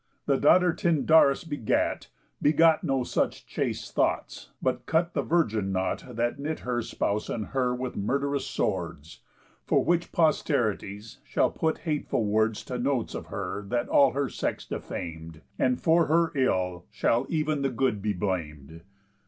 The daughter Tyndarus begat begot No such chaste thoughts, but cut the virgin knot That knit her spouse and her with murd'rous swords. For which posterities shall put hateful words To notes of her that all her sex defam'd, And for her ill shall ev'n the good be blam'd."